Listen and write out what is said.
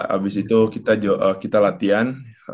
abis itu kita latihan